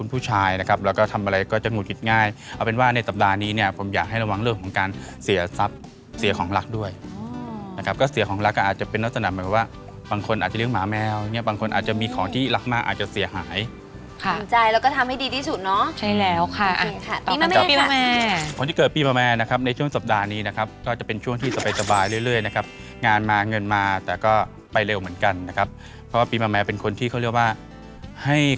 ผู้ชายนะครับแล้วก็ทำอะไรก็จะงูดหยิดง่ายเอาเป็นว่าในสัปดาห์นี้เนี่ยผมอยากให้ระวังเรื่องของการเสียทรัพย์เสียของรักด้วยอ๋อนะครับก็เสียของรักก็อาจจะเป็นนักสนับเหมือนว่าบางคนอาจจะเรียกหมาแมวเนี่ยบางคนอาจจะมีของที่รักมากอาจจะเสียหายค่ะขอบคุณใจแล้วก็ทำให้ดีที่สุดเนาะใช่แล้วค่ะ